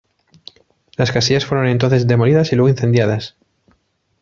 Las casillas fueron entonces demolidas y luego incendiadas.